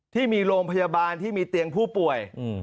ที่มีโรงพยาบาลที่มีเตียงผู้ป่วย